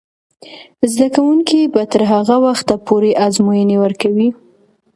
زده کوونکې به تر هغه وخته پورې ازموینې ورکوي.